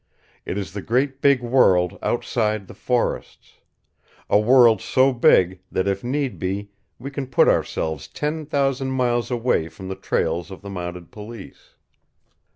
It is the great big world outside the forests, a world so big that if need be we can put ourselves ten thousand miles away from the trails of the mounted police.